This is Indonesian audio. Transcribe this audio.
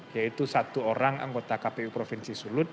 yaitu satu orang anggota kpu provinsi sulut